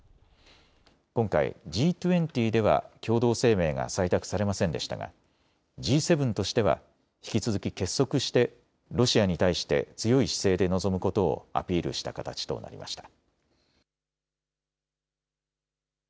今回、Ｇ２０では共同声明が採択されませんでしたがＧ７としては引き続き結束してロシアに対して強い姿勢で臨むことをアピールした形となりました。